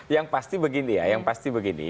yang pasti begini ya yang pasti begini